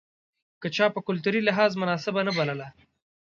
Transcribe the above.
که چا په کلتوري لحاظ مناسبه نه بلله.